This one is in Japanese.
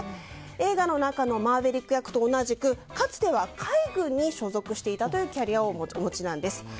映画の中のマーヴェリック役と同じくかつては海軍に所属していたというキャリアをお持ちなんです。